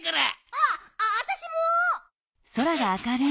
ああたしも！